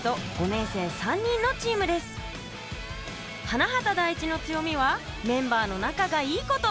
花畑第一の強みはメンバーのなかがいいこと！